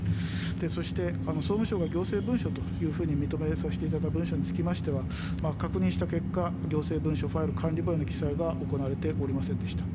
そして総務省が行政文書というふうに認めさせていただいた文書につきましては、確認した結果、行政文書ファイル管理簿への記載が行われておりませんでした。